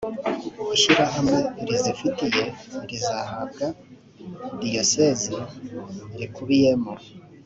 ishyirahamwe rizifite rizahabwa diyosezi rikubiyemo